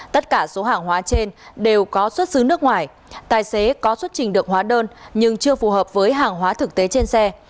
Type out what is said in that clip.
tất cả số hàng hóa trên đều có xuất xứ nước ngoài tài xế có xuất trình được hóa đơn nhưng chưa phù hợp với hàng hóa thực tế trên xe